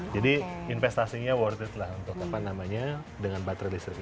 jadi investasinya worth it lah untuk apa namanya dengan baterai listrik ini